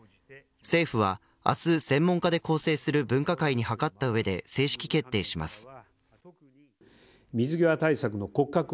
政府は明日、専門家で構成する分科会に諮った上で正式決定します。